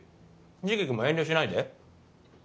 四鬼君も遠慮しないで。